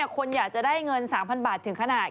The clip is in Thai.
คนอยากจะได้เงิน๓๐๐บาทถึงขนาด